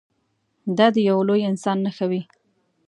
دا د یوه لوی انسان نښه وي.